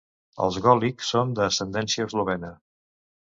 Els Golic són d'ascendència eslovena.